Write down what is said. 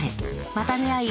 また出会い